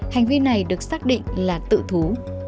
hành vi này được xác định là tự thú